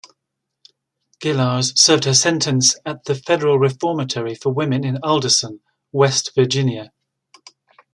Gillars served her sentence at the Federal Reformatory for Women in Alderson, West Virginia.